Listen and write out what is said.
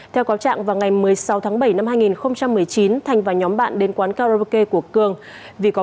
theo cáo trạng vào ngày một mươi sáu tháng bảy năm hai nghìn một mươi chín thành và nhóm bạn đến quán karaoke của cường vì có